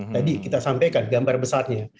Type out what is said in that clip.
tadi kita sampaikan gambar besarnya